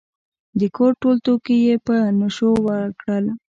د کور ټول توکي یې په نشو ورکړل.